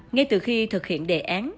ngay từ khi thực hiện đề án